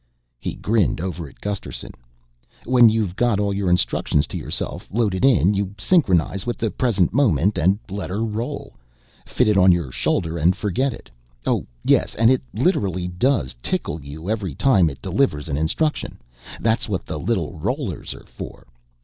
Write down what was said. He grinned over at Gusterson. "When you've got all your instructions to yourself loaded in, you synchronize with the present moment and let her roll. Fit it on your shoulder and forget it. Oh, yes, and it literally does tickle you every time it delivers an instruction. That's what the little rollers are for.